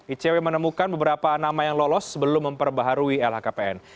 icw menemukan beberapa nama yang lolos sebelum memperbaharui lhkpn